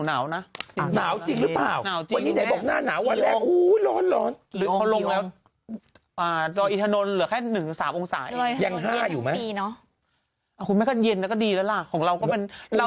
อ้าวจบแล้วแล้วก็อยู่ใกล้ไป